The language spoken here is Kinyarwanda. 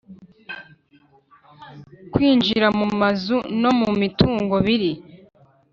d Kwinjira mu mazu no mu mitungo biri